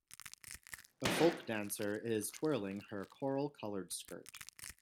A folk dancer is twirling her coral colored skirt